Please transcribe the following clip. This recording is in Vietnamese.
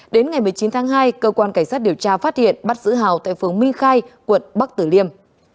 đến ngày một mươi chín tháng hai cơ quan cảnh sát điều tra phát hiện bắt giữ hào tại phường minh khai quận bắc tử liêm